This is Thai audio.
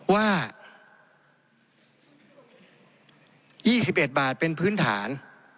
ว่า๒๑บาทเป็นพื้นฐาน